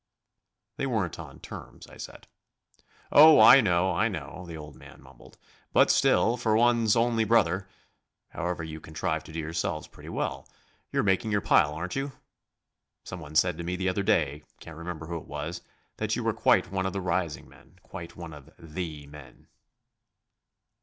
"They weren't on terms," I said. "Oh, I know, I know," the old man mumbled, "but still, for one's only brother ... However, you contrive to do yourselves pretty well. You're making your pile, aren't you? Someone said to me the other day can't remember who it was that you were quite one of the rising men quite one of the men."